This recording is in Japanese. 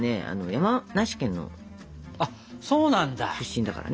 山梨県の出身だからね。